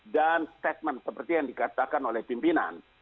dan statement seperti yang dikatakan oleh pimpinan